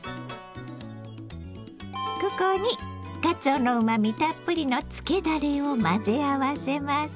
ここにかつおのうまみたっぷりのつけだれを混ぜ合わせます。